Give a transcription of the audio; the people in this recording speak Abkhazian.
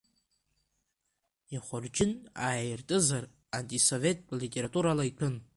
Ихәырџьын ааиртызар, антисоветтә литературала иҭәын.